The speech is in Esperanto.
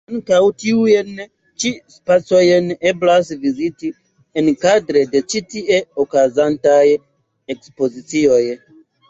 Ankaŭ tiujn ĉi spacojn eblas viziti enkadre de ĉi tie okazantaj ekspozicioj.